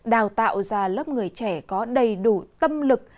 đào tạo ra lớp người trẻ có đầy đủ tâm lực